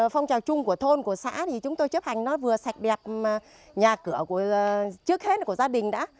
phong trào chung của thôn của xã thì chúng tôi chấp hành nó vừa sạch đẹp nhà cửa trước hết của gia đình đã